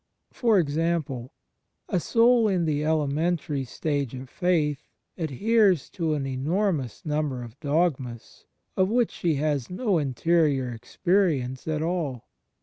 For example : A soul in the elementary stage of faith adheres to an enormous number of dogmas of which she has no interior experience at all.